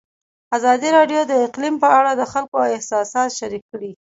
ازادي راډیو د اقلیم په اړه د خلکو احساسات شریک کړي.